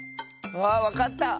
あわかった！